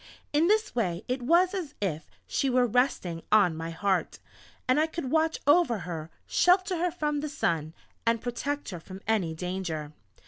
In this way it was as if she were resting on my heart, and I could watch over her, shelter her from the sun, and protect her from any danger.